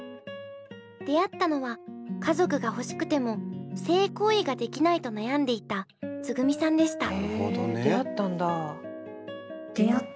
出会ったのは家族が欲しくても性行為ができないと悩んでいたツグミさんでした。